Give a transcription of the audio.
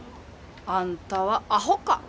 あんたはあほか。